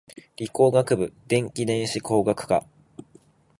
理工学部電気電子工学科